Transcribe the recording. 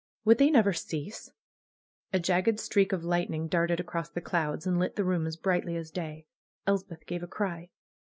Would they never cease ! A jagged streak of lightning darted across the clouds and lit the room as brightly as day. Elspeth gave a cry.